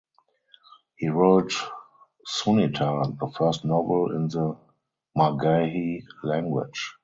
He wrote "Sunita" the first novel in the Magahi language.